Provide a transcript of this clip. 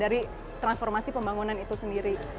dan ini adalah informasi pembangunan itu sendiri